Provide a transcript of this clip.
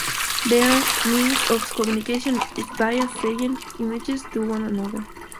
Their means of communication is via "saying" images to one another.